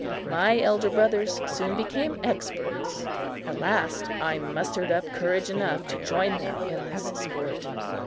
My elder brothers soon became experts. At last, I mustered up courage enough to join them in this sport.